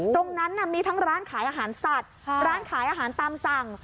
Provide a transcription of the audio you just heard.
ตรงนั้นมีทั้งร้านขายอาหารสัตว์ร้านขายอาหารตามสั่ง